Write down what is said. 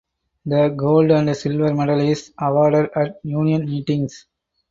The gold and silver medal is awarded at union meetings.